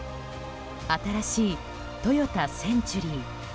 新しいトヨタ・センチュリー。